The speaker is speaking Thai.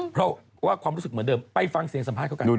เพราะว่าความรู้สึกเหมือนเดิมไปฟังเสียงสัมภาษณ์เขากัน